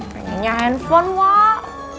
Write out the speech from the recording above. pengennya handphone wak